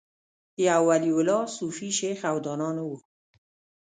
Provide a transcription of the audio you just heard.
یو ولي الله، صوفي، شیخ او دانا نه و